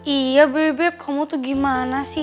iya bibip kamu tuh gimana sih